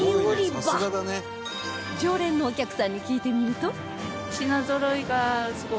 常連のお客さんに聞いてみると